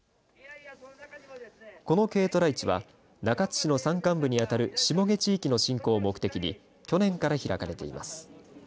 この軽トラ市は中津市の山間部に当たる下毛地域の振興を目的に去年から開かれています。